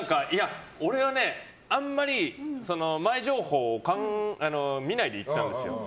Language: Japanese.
俺はあんまり前情報を見ないで行ったんですよ。